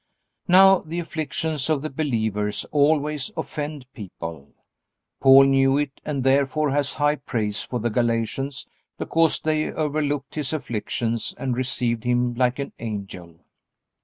Now, the afflictions of the believers always offend people. Paul knew it and therefore has high praise for the Galatians because they overlooked his afflictions and received him like an angel.